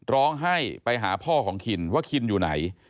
ร้องให้ไปหาพ่อของคินว่าคินอยู่ไหน